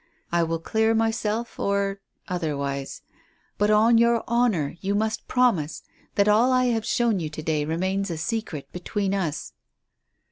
I will clear myself or otherwise. But on your honour you must promise that all I have shown you to day remains a secret between us."